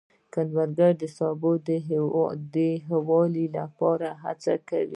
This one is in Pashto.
کروندګر د سبو د ښه والي لپاره هڅې کوي